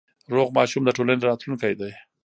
روغ ماشوم د ټولنې راتلونکی دی۔